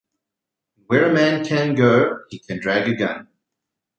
And where a man can go, he can drag a gun.